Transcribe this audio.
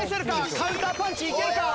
カウンターパンチいけるか？